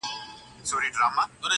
مست لکه رباب سمه، بنګ سمه، شراب سمه -